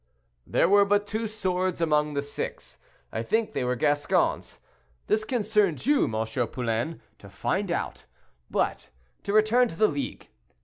"There were but two swords among the six; I think they were Gascons. This concerns you, M. Poulain, to find out. But to return to the League.